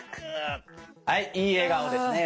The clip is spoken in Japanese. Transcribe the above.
はいいい笑顔ですね。